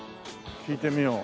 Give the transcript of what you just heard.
聞いてみよう。